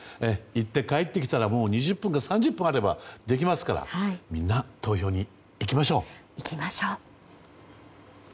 行って帰ってきて２０分や３０分あればできますからみんな、投票に行きましょう。